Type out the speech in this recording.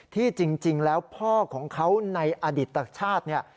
ที่จริงแล้วพ่อของเขาในอดิตชาติเนี่ย